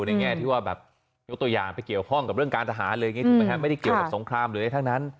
แง่ที่ว่าแบบยกตัวอย่างไปเกี่ยวข้องกับเรื่องการทหารเลยอย่างนี้ถูกไหมครับไม่ได้เกี่ยวกับสงครามหรืออะไรทั้งนั้น